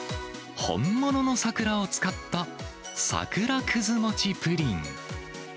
本物の桜を使った、桜くず餅プリン。